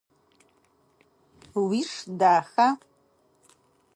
Уиш даха?